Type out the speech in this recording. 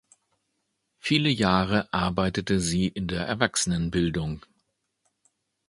Viele Jahre arbeitete sie in der Erwachsenenbildung.